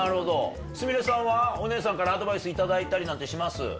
純礼さんはお姉さんからアドバイスいただいたりなんてします？